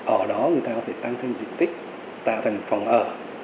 ở đó người ta có thể tăng thêm diện tích tạo thành phòng ở